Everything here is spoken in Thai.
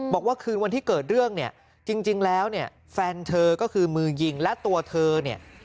บอกว่าคืนวันที่เกิดเรื่องเนี่ยจริงแล้วเนี่ยแฟนเธอก็คือมือยิงและตัวเธอเนี่ย